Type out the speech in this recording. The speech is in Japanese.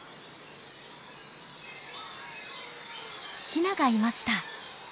ヒナがいました。